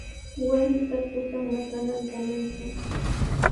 Warmiqa qusan maqananta manchan.